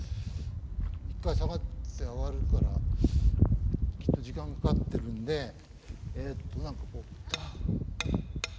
一回下がって上がるからきっと時間かかってるんでえっと何かこう。